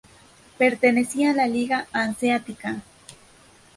Pertenecía a la Liga hanseática.